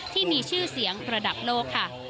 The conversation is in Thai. ที่มีชื่อเสียงระดับโลกค่ะ